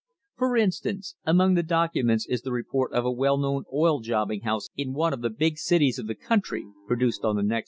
For instance, among the docu ments is the report on a well known oil jobbing house in one of the big cities of the country reproduced on the next page.